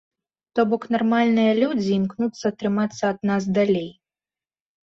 То бок, нармальныя людзі імкнуцца трымацца ад нас далей.